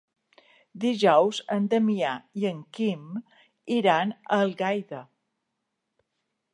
Dijous en Damià i en Quim iran a Algaida.